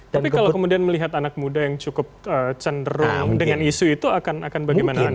tapi kalau kemudian melihat anak muda yang cukup cenderung dengan isu itu akan bagaimana